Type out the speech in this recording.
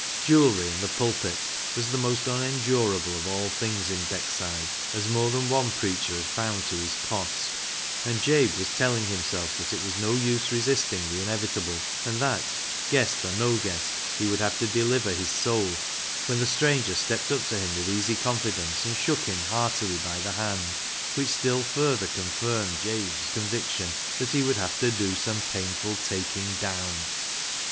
Jewellery in the pulpit was the most unendur able of all things in Beckside, as more than one preacher had found to his cost, and Jabe was telling himself that it was no use resisting the inevitable, and that, guest or no guest, he would have to deliver his soul, when the stranger stepped up to him with easy confidence and shook him heartily by the hand, which still further confirmed Jabe's conviction that he would have to do some painful taking down.